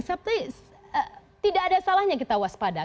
suby tidak ada salahnya kita waspada